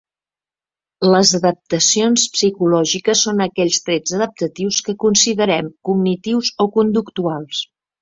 Les adaptacions psicològiques són aquells trets adaptatius que considerem cognitius o conductuals.